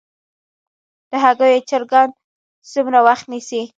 د هګیو چرګان څومره وخت نیسي؟